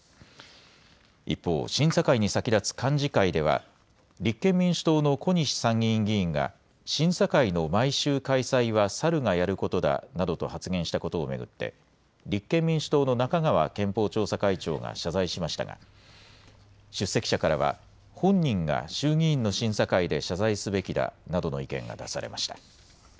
一方、審査会に先立つ幹事会では、立憲民主党の小西参議院議員が、審査会の毎週開催はサルがやることだなどと発言したことを巡って、立憲民主党の中川憲法調査会長が謝罪しましたが、出席者からは、本人が衆議院の審査会で謝罪すべきだなどと意見が出されました。